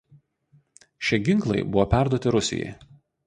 Šie ginklai buvo perduoti Rusijai.